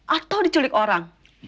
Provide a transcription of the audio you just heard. atau diculik orang